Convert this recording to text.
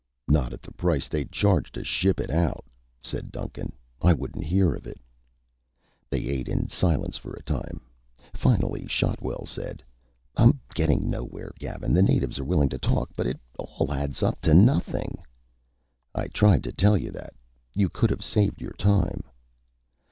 "Not at the price they'd charge to ship it out," said Duncan. "I wouldn't hear of it." They ate in silence for a time. Finally Shotwell said: "I'm getting nowhere, Gavin. The natives are willing to talk, but it all adds up to nothing." "I tried to tell you that. You could have saved your time."